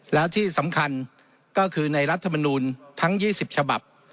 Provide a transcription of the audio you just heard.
แล้วที่สำคัญก็คือในรัฐมนูลทั้ง๒๐ฉบับ